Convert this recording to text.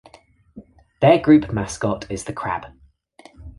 Their group mascot is the crab.